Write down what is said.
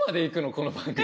この番組。